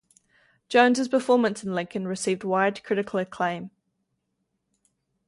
Jones's performance in "Lincoln" received wide critical acclaim.